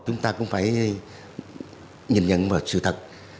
chúng ta cũng phải nhìn nhận vào sự thật